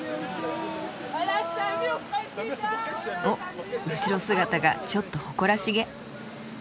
おっ後ろ姿がちょっと誇らしげ。